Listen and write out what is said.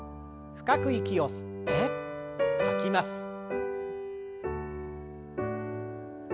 深く息を吸って吐きます。